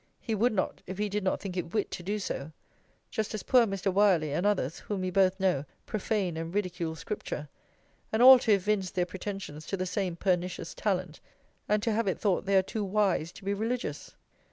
He would not, if he did not think it wit to do so! Just as poor Mr. Wyerley, and others, whom we both know, profane and ridicule scripture; and all to evince their pretensions to the same pernicious talent, and to have it thought they are too wise to be religious.